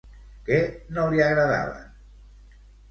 Què no li agradaven?